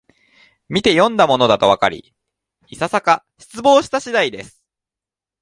みてよんだものだとわかり、いささか失望した次第です